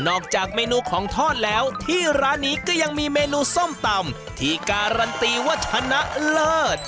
จากเมนูของทอดแล้วที่ร้านนี้ก็ยังมีเมนูส้มตำที่การันตีว่าชนะเลิศ